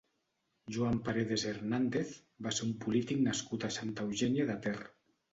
Joan Paredes Hernández va ser un polític nascut a Santa Eugènia de Ter.